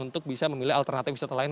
untuk bisa memilih alternatif wisata lain